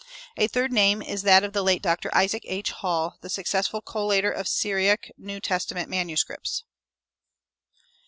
A third name is that of the late Dr. Isaac H. Hall, the successful collator of Syriac New Testament manuscripts.